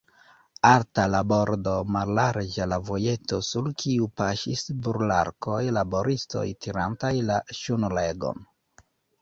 Alta la bordo, mallarĝa la vojeto, sur kiu paŝis burlakoj, laboristoj, tirantaj la ŝnuregon.